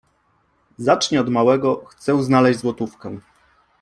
Zacznie od małego: „Chcę znaleźć złotówkę!”.